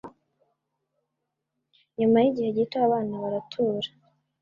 Nyuma yigihe gito, abana baratura.